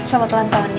mbak selamat lantauan ya